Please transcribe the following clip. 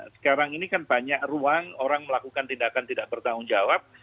sekarang ini kan banyak ruang orang melakukan tindakan tidak bertanggung jawab